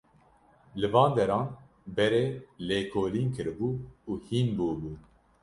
Li van deran berê lêkolîn kiribû û hîn bûbû.